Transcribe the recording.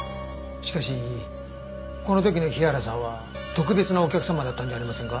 しかしこの時の日原さんは特別なお客様だったんじゃありませんか？